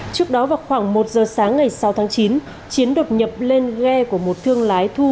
trước đó vào khoảng một giờ sáng ngày sáu tháng chín chiến đột nhập lên ghe của một thương lái thu